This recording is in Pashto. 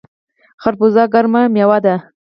خربوزه ګرمه میوه ده